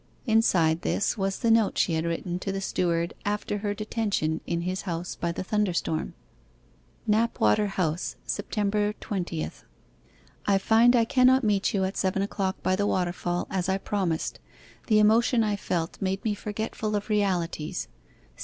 Inside this was the note she had written to the steward after her detention in his house by the thunderstorm 'KNAPWATER HOUSE, September 20th. 'I find I cannot meet you at seven o'clock by the waterfall as I promised. The emotion I felt made me forgetful of realities.